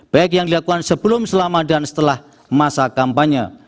baik yang dilakukan sebelum selama dan setelah masa kampanye